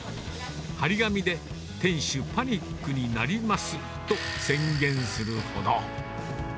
貼り紙で店主パニックになりますと宣言するほど。